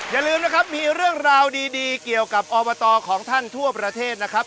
อย่าลืมนะครับมีเรื่องราวดีเกี่ยวกับอบตของท่านทั่วประเทศนะครับ